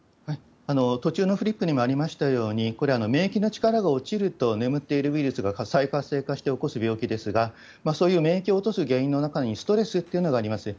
途中のフリップにもありましたように、これ、免疫の力が落ちると、眠っているウイルスが再活性化して起こす病気ですが、そういう免疫を落とす原因の中に、ストレスっていうのがあります。